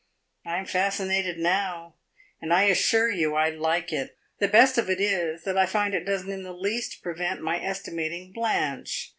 I am fascinated now, and I assure you I like it! The best of it is that I find it does n't in the least prevent my estimating Blanche.